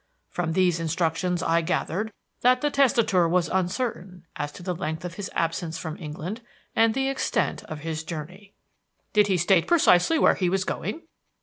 From these instructions I gathered that the testator was uncertain as to the length of his absence from England and the extent of his journey." "Did he state precisely where he was going?"